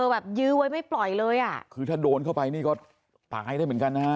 แบบยื้อไว้ไม่ปล่อยเลยอ่ะคือถ้าโดนเข้าไปนี่ก็ตายได้เหมือนกันนะฮะ